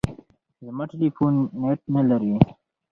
زما ټلیفون نېټ نه لري .